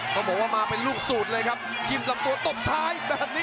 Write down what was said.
ก็บอกว่ามะเป็นลูกสูตรจิ้มลำตัวตบทราย